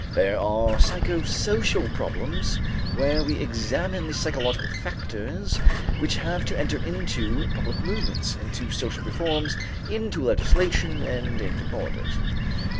There are psychosocial problems where we examine the psychological factors which have to enter into public movements, into social reforms, into legislation and into politics.